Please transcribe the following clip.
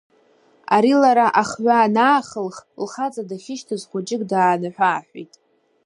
Ари лара ахҩа анаахылх, лхаҵа дахьышьҭаз хәҷык даанаҳәы-ааҳәит.